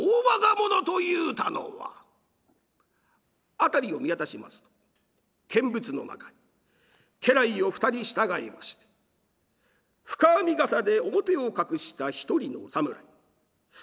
辺りを見渡しますと見物の中に家来を２人従えまして深編みがさで面を隠した一人のお侍。